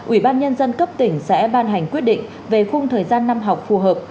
ủy ban nhân dân cấp tỉnh sẽ ban hành quyết định về khung thời gian năm học phù hợp